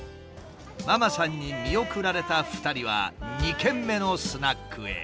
ママさんに見送られた２人は２軒目のスナックへ。